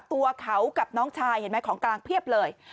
ตัวเขากับน้องชายเห็นไหมของกลางเพียบเลย